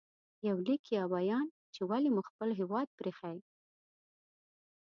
• یو لیک یا بیان چې ولې مو خپل هېواد پرې ایښی